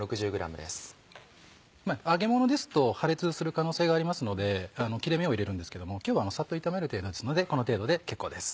揚げものですと破裂する可能性がありますので切れ目を入れるんですけども今日はさっと炒める程度ですのでこの程度で結構です。